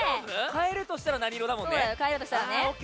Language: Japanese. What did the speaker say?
変えるとしたら何色だもんね。